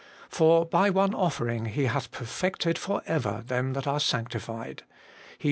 For by one offering He hath perfected for ever them that are sanctified.' HEB.